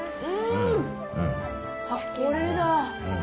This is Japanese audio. あっ、これだ。